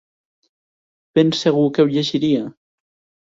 Ben segur que ho llegiria.